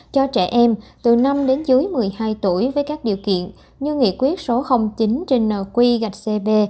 cho trẻ em từ năm đến dưới một mươi hai tuổi với các điều kiện như nghị quyết số chín trên nq gạch cb